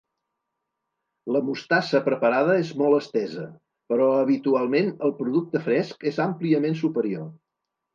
La mostassa preparada és molt estesa, però habitualment el producte fresc és àmpliament superior.